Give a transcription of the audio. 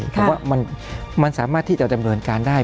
แต่ว่ามันสามารถที่จะดำเนินการได้